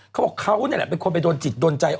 เขาบอกเขานี่แหละเป็นคนไปโดนจิตโดนใจ